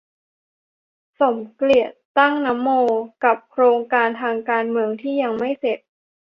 สมเกียรติ ตั้งนโม กับโครงการทางการเมืองที่ยังไม่เสร็จ